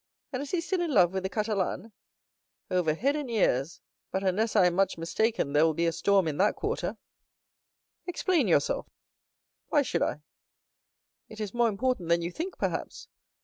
And is he still in love with the Catalane?" "Over head and ears; but, unless I am much mistaken, there will be a storm in that quarter." 0041m "Explain yourself." "Why should I?" "It is more important than you think, perhaps.